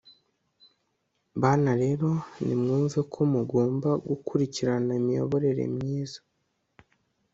bana rero nimwumve ko mugomba gukurikirana imiyoborere myiza